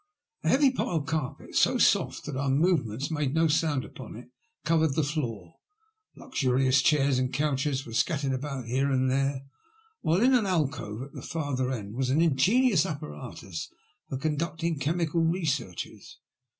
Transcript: A heavy pile carpet, so soft that oar movements made no sound upon it, covered the floor ; loxarions chairs and couches were scattered about here and there, while in an alcove at the further end was an ingenious apparatus for conducting chemical researches.